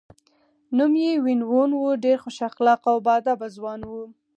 نوم یې وین وون و، ډېر خوش اخلاقه او با ادبه ځوان و.